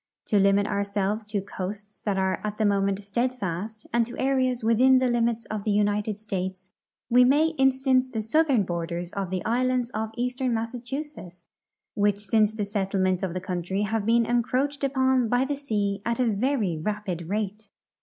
To limit ourselves to coasts that are at the moment steadfast and to areas within the limits of the United States, Ave may instance the southern borders of the islands of eastern Massachusetts, Avhich since the settlement of the country have been encroached upon by the sea at a very rapid rate.